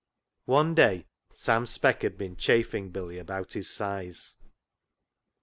One day Sam Speck had been chaffing Billy about his size.